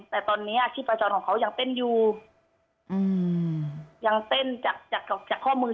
แต่ตอนนี้อาชีพจรของเขายังเต้นอยู่อืมยังเต้นจากจากข้อมือ